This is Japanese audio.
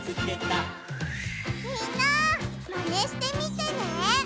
みんなマネしてみてね！